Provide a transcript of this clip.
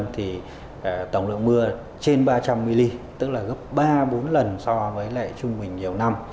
thì tổng lượng mưa trên ba trăm linh mm tức là gấp ba bốn lần so với lệ trung bình nhiều năm